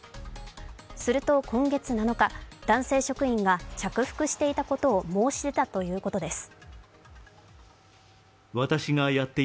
すると今月７日、男性職員が着服していたことを申し出たということです。